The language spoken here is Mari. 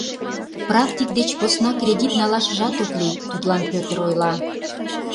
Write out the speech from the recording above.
Практик деч посна кредит налашыжат ок лий, — тудлан Пӧтыр ойла.